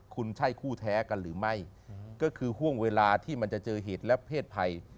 คุณใช่คู่แท้กันหรือไม่ก็คือห่วงเวลาที่มันจะเจอเหตุและเพศภัย